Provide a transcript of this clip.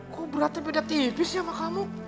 kok beratnya beda tipis sama kamu